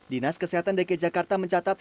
dinas kesehatan dki jakarta mencatat